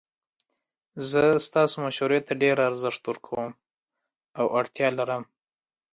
زه ستاسو مشورې ته ډیر ارزښت ورکوم او اړتیا لرم